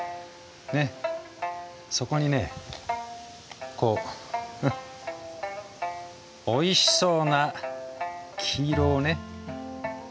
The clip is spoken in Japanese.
そこにねこうおいしそうな黄色をね足すと。